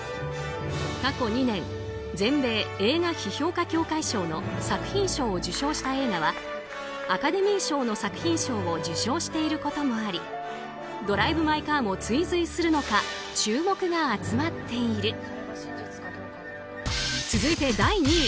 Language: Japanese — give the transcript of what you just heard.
過去２年全米映画批評家協会賞の作品賞を受賞した映画はアカデミー賞の作品賞を受賞していることもあり「ドライブ・マイ・カー」も追随するのか注目が集まっている。